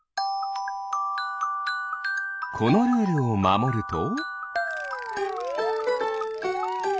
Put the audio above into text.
このルールをまもると。